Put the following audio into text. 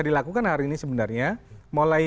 dilakukan hari ini sebenarnya mulai